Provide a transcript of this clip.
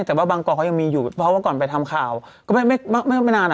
แต่ว่าบางกอกเขายังมีอยู่เพราะว่าก่อนไปทำข่าวก็ไม่ไม่นานอ่ะ